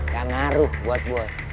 yang ngaruh buat gue